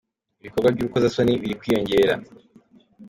Ibikorwa by'urukozasoni birikwiyongera